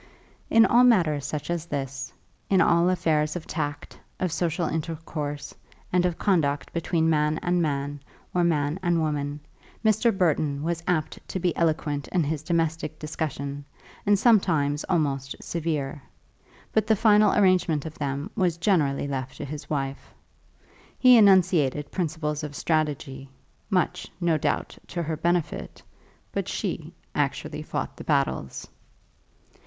In all matters such as this, in all affairs of tact, of social intercourse, and of conduct between man and man, or man and woman, Mr. Burton was apt to be eloquent in his domestic discussion, and sometimes almost severe; but the final arrangement of them was generally left to his wife. He enunciated principles of strategy, much, no doubt, to her benefit; but she actually fought the battles.